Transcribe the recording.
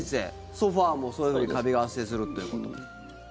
ソファもそういうカビが発生するということ。